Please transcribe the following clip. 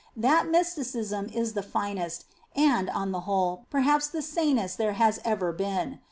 That Mysticism is the finest and, on the whole, perhaps the sanest there has ever been.